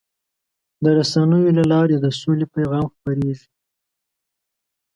د رسنیو له لارې د سولې پیغام خپرېږي.